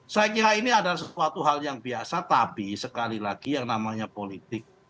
saya kira ini adalah sesuatu hal yang biasa tapi sekali lagi yang namanya politik